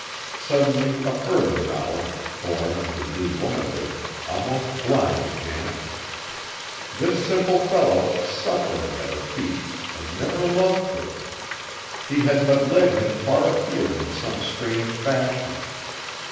Suddenly a further knowledge, born of the new womanhood, almost blinded Janet. This simple fellow, suffering at her feet, had never loved her! She had but led him far afield in some strange fashion.